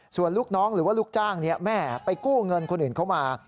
ส่วนลูกน้องหรือว่าลูกจ้างแม่ไปกู้เงินคนอื่นเข้ามา